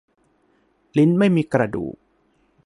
ลิ้นไม่มีกระดูก